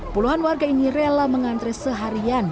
puluhan warga ini rela mengantre seharian